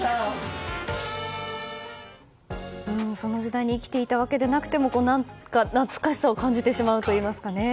その時代に生きていたわけではなくても懐かしさを感じてしまうといいますかね。